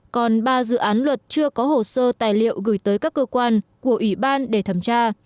còn ba dự án luật chưa có hồ sơ tài liệu gửi tới các cơ quan của ủy ban để thẩm tra